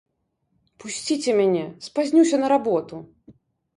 Пусціце мяне, спазнюся на работу!